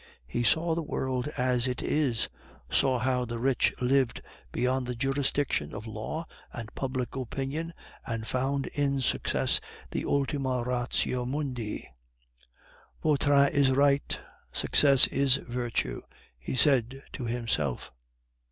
He saw the world as it is; saw how the rich lived beyond the jurisdiction of law and public opinion, and found in success the ultima ratio mundi. "Vautrin is right, success is virtue!" he said to himself.